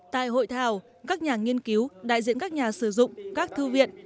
tại hội thảo các nhà nghiên cứu đại diện các nhà sử dụng các thư viện